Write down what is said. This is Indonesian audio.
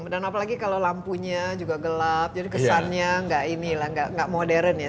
dan apalagi kalau lampunya juga gelap jadi kesannya nggak modern ya